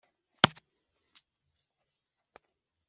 Amasezerano yo ku rwego rwa kabiri agomba